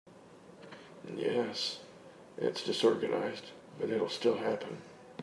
Yes, it’s disorganized but it will still happen.